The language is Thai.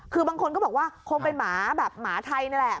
คือบางคนก็บอกว่าคงเป็นหมาแบบหมาไทยนี่แหละ